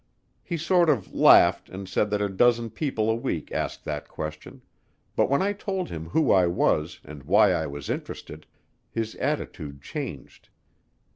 He sort of laughed and said that a dozen people a week asked that question, but when I told him who I was and why I was interested, his attitude changed.